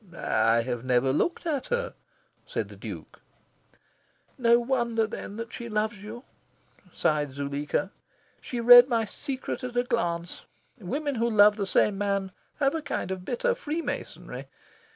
"I have never looked at her," said the Duke. "No wonder, then, that she loves you," sighed Zuleika. "She read my secret at a glance. Women who love the same man have a kind of bitter freemasonry.